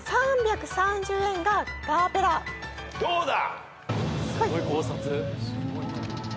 どうだ？